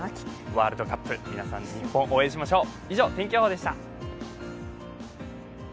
ワールドカップ、皆さん、日本応援しましょう。